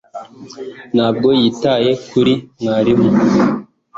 ntabwo yitaye kuri mwarimu